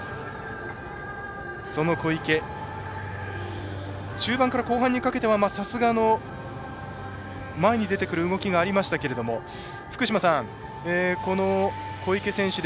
その小池中盤から後半にかけてはさすがの前に出てくる動きがありましたが福島さん、この小池選手